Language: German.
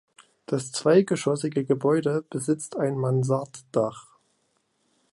Das zweigeschossige Gebäude besitzt ein Mansarddach.